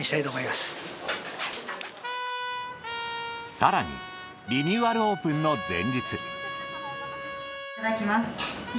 更にリニューアルオープンの前日。